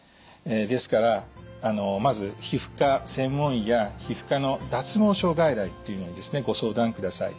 ですからまず皮膚科専門医や皮膚科の脱毛症外来というのにですねご相談ください。